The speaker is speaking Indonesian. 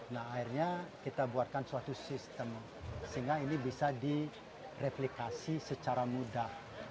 nah akhirnya kita buatkan suatu sistem sehingga ini bisa direplikasi secara mudah